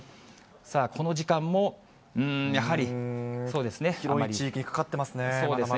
この時間も、広い地域にかかってますね。